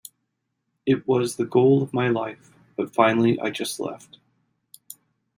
"It was the goal of my life, but finally I just left".